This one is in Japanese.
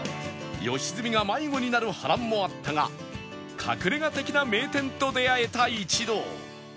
良純が迷子になる波乱もあったが隠れ家的な名店と出会えた一同